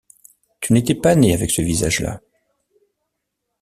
Tu n’étais pas né avec ce visage-là.